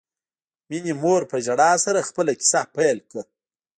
مينې مور په ژړا سره خپله کیسه پیل کړه